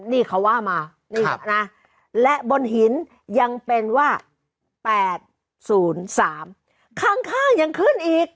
นี่เขาว่ามาครับนี่นะและบนหินยังเป็นว่าแปดศูนย์สามข้างข้างยังขึ้นอีก